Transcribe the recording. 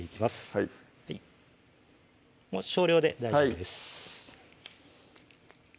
はいもう少量で大丈夫です